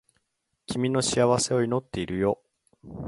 君の幸せを祈っているよ